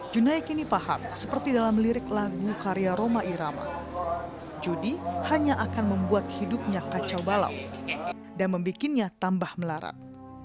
junai kini paham seperti dalam lirik lagu karya roma irama judi hanya akan membuat hidupnya kacau balau dan membuatnya tambah melarang